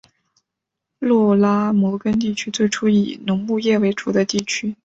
格拉摩根地区最初是以农牧业为主的地区。